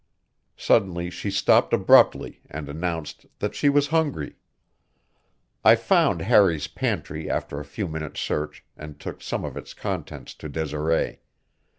Suddenly she stopped abruptly and announced that she was hungry. I found Harry's pantry after a few minutes' search and took some of its contents to Desiree.